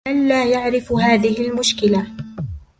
من لا يعرف هذه المشكلة ؟!